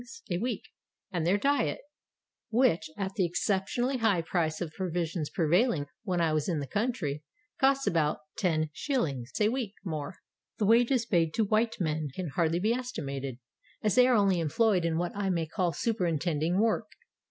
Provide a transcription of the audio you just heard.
a week and their diet, — which, at the exceptionally high price of provi sions prevailing when I was in the country, costs about 105. a week more. The wages paid to white men can hardly be estimated, as they are only employed in what I may call superintending work.